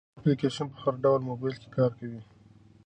دا اپلیکیشن په هر ډول موبایل کې کار کوي.